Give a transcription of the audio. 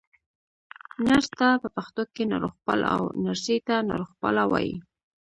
نرس ته په پښتو کې ناروغپال، او نرسې ته ناروغپاله وايي.